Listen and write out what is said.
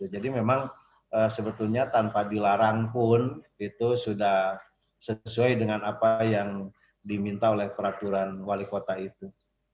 jadi memang sebetulnya tanpa dilarang pun itu sudah sesuai dengan apa yang diminta oleh peraturan wali kota itu